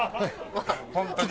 本当に。